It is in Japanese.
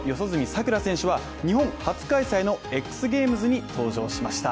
さくら選手は、日本初開催のＸＧａｍｅｓに登場しました。